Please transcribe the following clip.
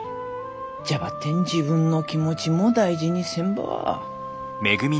じゃばってん自分の気持ちも大事にせんば。